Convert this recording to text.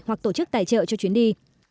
hoặc tổ chức tài trợ cho chuyến đi